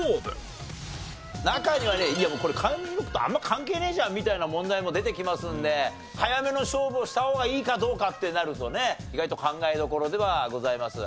中にはねいやこれ上の句とあんまり関係ねえじゃんみたいな問題も出てきますので早めの勝負をした方がいいかどうかってなるとね意外と考えどころではございます。